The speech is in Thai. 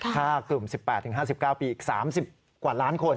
ถ้ากลุ่ม๑๘๕๙ปีอีก๓๐กว่าล้านคน